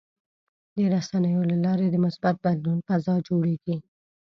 د رسنیو له لارې د مثبت بدلون فضا جوړېږي.